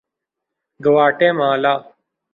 گواٹے مالا